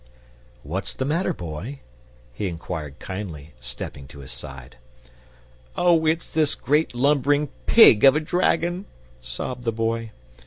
"What's the matter, Boy?" he inquired kindly, stepping to his side. "Oh, it's this great lumbering PIG of a dragon!" sobbed the Boy.